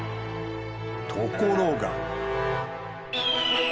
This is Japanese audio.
ところが。